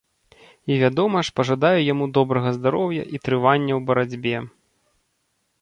І вядома ж, пажадаю, яму добрага здароўя і трывання ў барацьбе.